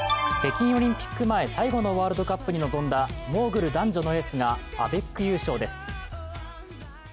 北京オリンピック前最後のワールドカップに臨んだモーグル男女のエースがアベック優勝です。